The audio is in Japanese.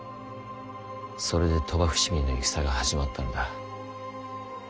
それで鳥羽伏見の戦が始まったのだ。